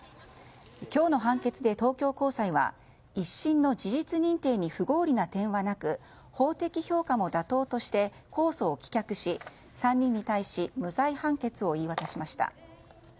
今日の判決で東京高裁は１審の事実認定に不合理な点はなく法的評価も妥当として控訴を棄却し３人に対し無罪判決を言い渡しました。